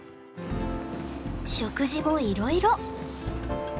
食事もいろいろ。